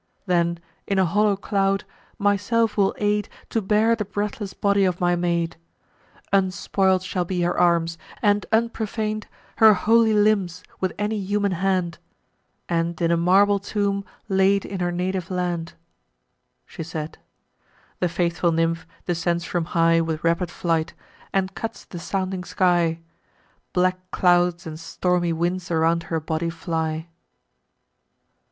Then, in a hollow cloud, myself will aid To bear the breathless body of my maid: Unspoil'd shall be her arms, and unprofan'd Her holy limbs with any human hand, And in a marble tomb laid in her native land." She said. The faithful nymph descends from high With rapid flight, and cuts the sounding sky: Black clouds and stormy winds around her body fly.